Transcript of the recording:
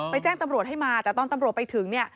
แจ้งตำรวจให้มาแต่ตอนตำรวจไปถึงเนี่ย